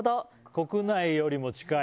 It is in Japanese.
国内よりも近い。